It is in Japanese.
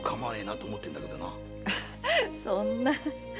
そんな。